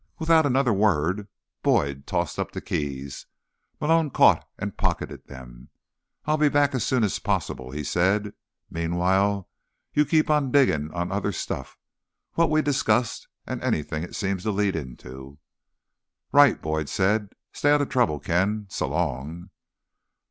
Without another word, Boyd tossed up the keys. Malone caught and pocketed them. "I'll be back as soon as possible," he said. "Meanwhile, you can keep digging on other stuff—what we've discussed and anything it seems to lead into." "Right," Boyd said. "Stay out of trouble, Ken. So long."